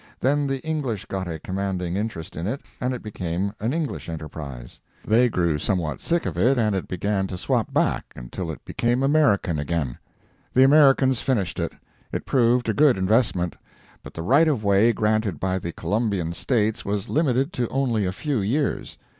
Then the English got a commanding interest in it, and it became an English enterprise. They grew somewhat sick of it, and it began to swap back until it became American again. The Americans finished it. It proved a good investment. But the right of way granted by the Colombian States was limited to only a few years.